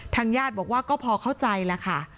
ญาติบอกว่าก็พอเข้าใจแล้วค่ะ